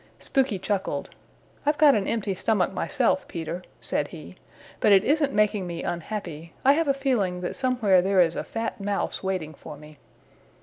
Spooky chuckled. "I've got an empty stomach myself, Peter," said he, "but it isn't making me unhappy. I have a feeling that somewhere there is a fat Mouse waiting for me."